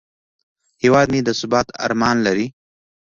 هیواد مې د ثبات ارمان لري